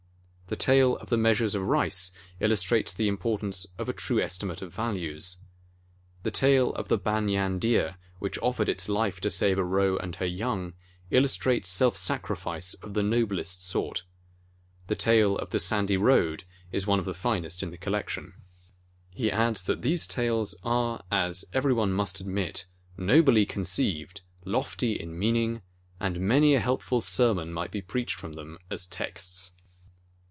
The tale of the Measures of Rice illustrates the importance of a true estimate of values. The tale of the Banyan Deer, which offered its life to save a roe and her young, illus trates self sacrifice of the noblest sort. The tale of the Sandy Road is one of the finest in the collection. xii ORIGIN OF THE JATAKAS And he adds that these tales "are, as everyone must admit, nobly conceived, lofty in meaning, and many a helpful sermon might be preached from them as texts."